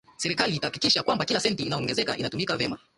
Serikali itahakikisha kwamba kila senti inayoongezeka inatumika vyema